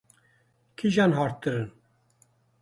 Kîjan hartir in?